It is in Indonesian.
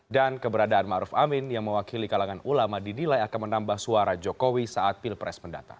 dan keberadaan maruf amin yang mewakili kalangan ulama didilai akan menambah suara jokowi saat pilpres mendatang